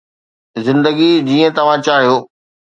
زندگي جيئن توهان چاهيو